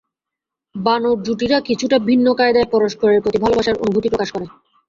বানর জুটিরা কিছুটা ভিন্ন কায়দায় পরস্পরের প্রতি ভালোবাসার অনুভূতি প্রকাশ করে।